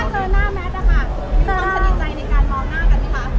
เจอหน้าแมทนะคะมีความสนิทใจในการมองหน้ากันไหมคะ